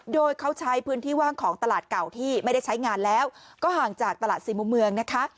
โดยเขาใช้พื้นที่ว่างของตลาดเก่าที่ไม่ได้ใช้งานแล้วก็ห่างจากตลาดสี่มุมเมืองนะคะ